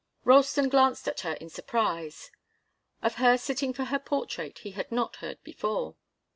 Ralston glanced at her in surprise. Of her sitting for her portrait he had not heard before.